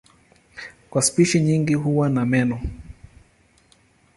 Kwa spishi nyingi huwa na meno.